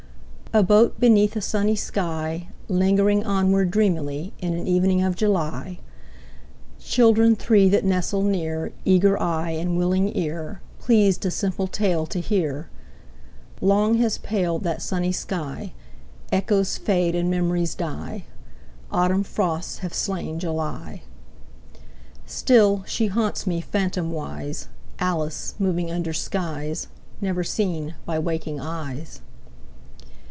A boat beneath a sunny sky, Lingering onward dreamily In an evening of July— Children three that nestle near, Eager eye and willing ear, Pleased a simple tale to hear— Long has paled that sunny sky: Echoes fade and memories die. Autumn frosts have slain July. Still she haunts me, phantomwise, Alice moving under skies Never seen by waking eyes.